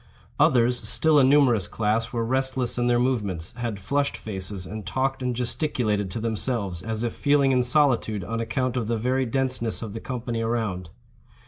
Others, still a numerous class, were restless in their movements, had flushed faces, and talked and gesticulated to themselves, as if feeling in solitude on account of the very denseness of the company around.